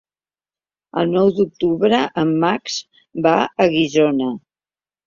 El nou d'octubre en Max va a Guissona.